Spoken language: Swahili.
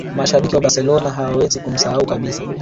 mashabiki wa barcelona hawawezi kumsahau kabisa